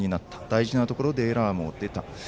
大事なところでエラーもあった。